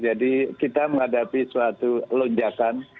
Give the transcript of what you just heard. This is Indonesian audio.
jadi kita menghadapi suatu lonjakan